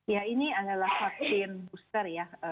ya ini adalah vaksin booster ya